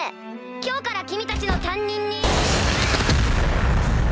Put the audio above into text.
今日から君たちの担任に。